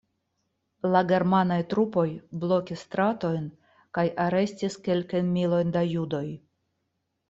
La germanaj trupoj blokis stratojn kaj arestis kelkajn milojn da judoj.